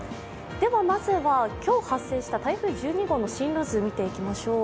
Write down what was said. ではまずは今日発生した台風１２号の進路図、見ていきましょう。